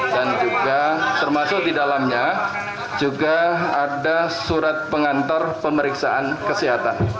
dan juga termasuk di dalamnya juga ada surat pengantar pemeriksaan kesehatan